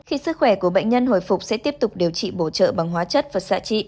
khi sức khỏe của bệnh nhân hồi phục sẽ tiếp tục điều trị bổ trợ bằng hóa chất và xạ trị